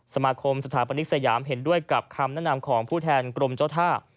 สมาคมสถาปนิกสยามเห็นด้วยกับคำแนะนำของผู้แทนกรมเจ้าท่า